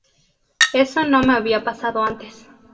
Eso no me había pasado antes.